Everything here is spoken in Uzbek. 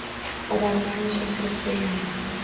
Odamlarni shoshirib qo’ygan u.